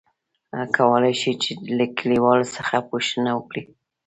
کولاى شې ،چې له کليوالو څخه پوښتنه وکړې ؟